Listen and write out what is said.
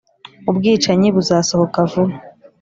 ubwicanyi buzasohoka vuba